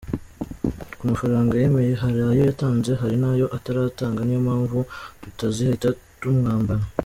Ku mafaranga yemeye hari ayo yatanze hari n’ayo ataratanga niyo mpamvu tutazahita tumwambara.